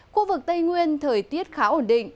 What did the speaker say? khu vực tây nguyên thời tiết khá ổn định